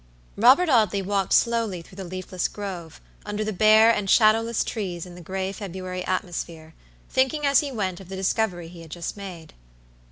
Robert Audley walked slowly through the leafless grove, under the bare and shadowless trees in the gray February atmosphere, thinking as he went of the discovery he had just made.